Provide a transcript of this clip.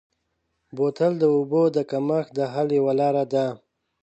بوتل د اوبو د کمښت د حل یوه لاره ده.